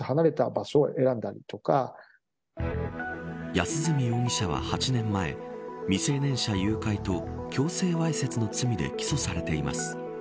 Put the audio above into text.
安栖容疑者は８年前未成年者誘拐と強制わいせつの罪で起訴されています。